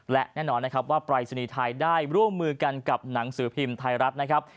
และแน่นอนนะครับว่าปรายศนีย์ไทยได้ร่วมมือกันกับหนังสือพิมพ์ไทยรัฐนะครับ